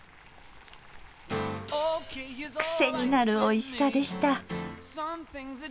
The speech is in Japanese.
癖になるおいしさでした。